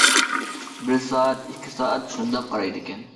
بىر سائەت، ئىككى سائەت شۇنداق قارايدىكەن.